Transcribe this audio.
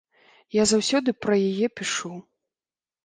Я заўсёды пра яе пішу.